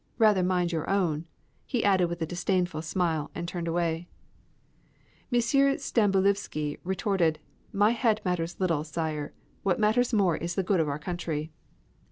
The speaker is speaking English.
Rather mind your own!" he added with a disdainful smile, and turned away. M. Stambulivski retorted: "My head matters little, Sire. What matters more is the good of our country."